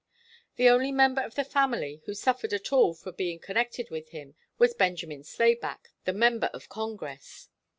The only member of the family who suffered at all for being connected with him was Benjamin Slayback, the member of Congress.